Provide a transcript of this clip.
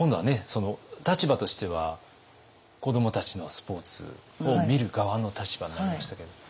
その立場としては子どもたちのスポーツを見る側の立場になりましたけれども。